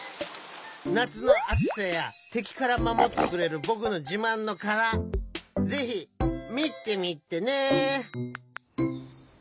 なつのあつさやてきからまもってくれるぼくのじまんのからぜひみてみてね！